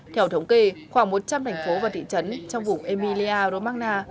theo thống kê khoảng một trăm linh thành phố và thị trấn trong vùng emilia romagna